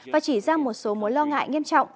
và chỉ ra một số mối lo ngại nghiêm trọng